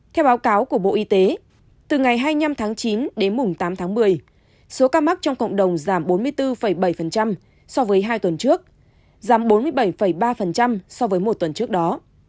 theo báo cáo của bộ y tế từ ngày hai mươi năm tháng chín đến mùng tám tháng một mươi số ca mắc trong cộng đồng giảm bốn mươi bốn bảy so với hai tuần trước giảm bốn mươi bảy ba so với một tuần trước đó